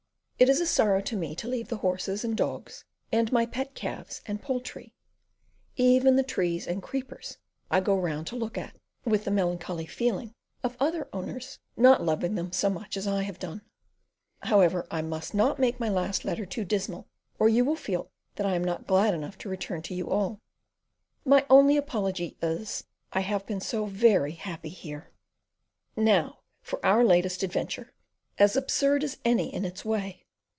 It is a sorrow to me to leave the horses and dogs and my pet calves and poultry; even the trees and creepers I go round to look at, with the melancholy feeling of other owners not loving them so much as I have done. However, I must not make my last letter too dismal, or you will feel that I am not glad enough to return to you all. My only apology is, I have been so very happy here. Now for our latest adventure, as absurd as any, in its way.